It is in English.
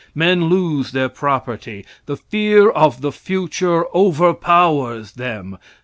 Men lose their property. The fear of the future over powers them.